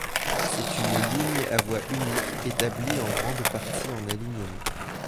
C'était une ligne à voie unique établie en grande partie en alignement.